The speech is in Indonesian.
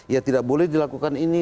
ya tidak boleh dilakukan ini